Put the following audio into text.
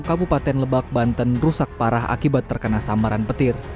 kabupaten lebak banten rusak parah akibat terkena samaran petir